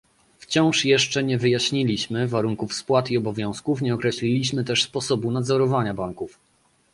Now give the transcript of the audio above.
Wciąż jeszcze nie wyjaśniliśmy warunków spłat i obowiązków, nie określiliśmy też sposobu nadzorowania banków